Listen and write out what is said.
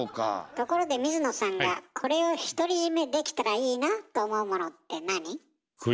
ところで水野さんがこれを独り占めできたらいいなと思うものってなに？